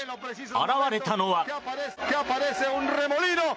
現れたのは。